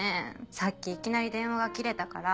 さっきいきなり電話が切れたから。